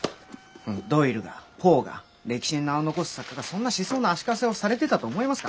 ドイルがポーが歴史に名を残す作家がそんな思想の足かせをされてたと思いますか？